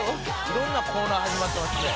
「色んなコーナー始まってますね」